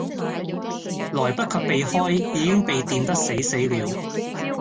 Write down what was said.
來不及避開已經被電得死死了